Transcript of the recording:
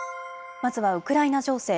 まずはウクライナ情勢。